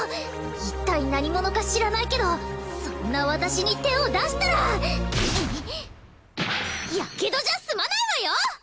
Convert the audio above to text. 一体何者か知らないけどそんな私に手を出したらヤケドじゃすまないわよ！